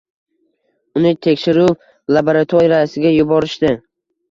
Uni tekshiruv labaratoriyasiga yuborishdi.